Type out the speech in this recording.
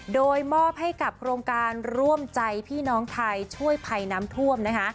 โดยมอบให้กับโครงการร่วมใจพี่น้องไทยช่วยภัยน้ำท่วมนะคะ